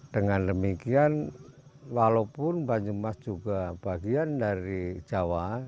dengan demikian walaupun banyumas juga bagian dari jawa